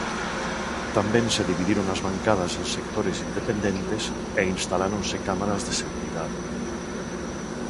Tamén se dividiron as bancadas en sectores independentes e instaláronse cámaras de seguridade.